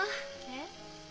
えっ？